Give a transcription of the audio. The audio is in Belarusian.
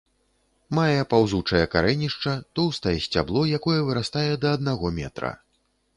Мае паўзучае карэнішча, тоўстае сцябло, якое вырастае да аднаго метра.